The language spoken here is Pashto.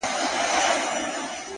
• كه مالدار دي كه دهقان دي كه خانان دي,